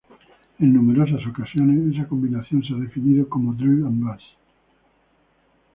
En numerosas ocasiones, esa combinación se ha definido como drill and bass.